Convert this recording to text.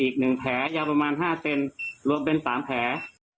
อีก๑แผลยาวประมาณ๕เซนรวมเป็น๓แผล